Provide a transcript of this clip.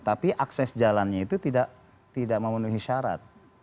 tapi akses jalannya itu tidak memenuhi syarat